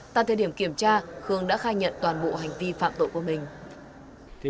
tại thời điểm kiểm tra khương đã khai nhận toàn bộ hành vi phạm tội của mình